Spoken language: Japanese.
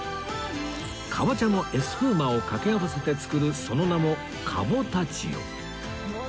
カボチャのエスプーマを掛け合わせて作るその名もカボタチオ